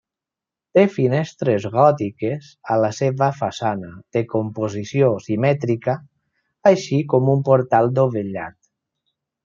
Té finestres gòtiques a la seva façana, de composició simètrica, així com un portal dovellat.